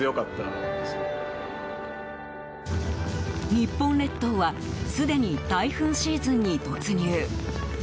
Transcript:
日本列島はすでに台風シーズンに突入。